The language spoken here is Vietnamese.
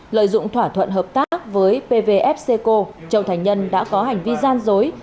lợi dụng thỏa thuận hợp tác với pvfc châu thành nhân đã có hành vi gian dối